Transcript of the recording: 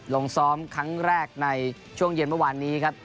ลงซ้อมครั้งแรกในช่วงเย็นเมื่อวานนี้ครับ